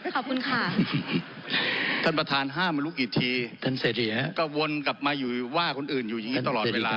ขอบคุณค่ะท่านประธานห้ามมารู้กี่ทีท่านเสรีฮะก็วนกลับมาอยู่ว่าคนอื่นอยู่อย่างนี้ตลอดเวลา